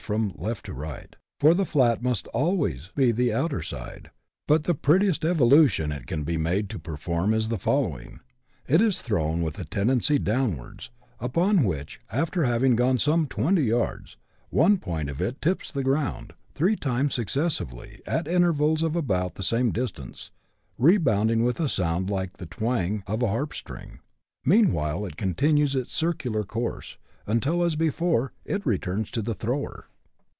from left to right, for the flat must always be the outer side. But the prettiest evolution it can be made to perform is the following :— It is thrown with a tendency downwards ; upon which, after having gone some 20 yards, one point of it tips the ground, three times successively, at intervals of about tlie same distance, rebounding with a sound like the twang of a 112 BUSH LIFE IN AUSTRALIA. [chap. x. harp string : meanwhile it still continues its circular course, until, as before, it returns to the thrower.